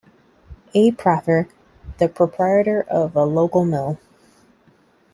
A. Prather, the proprietor of a local mill.